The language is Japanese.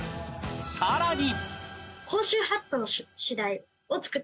さらに